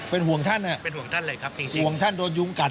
เป็นห่วงท่านเป็นห่วงท่านเลยครับจริงห่วงท่านโดนยุงกัด